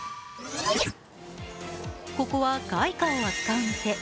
ここは外貨を扱う店。